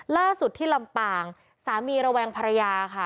ล่าสุดที่ลำปางสามีระแวงภรรยาค่ะ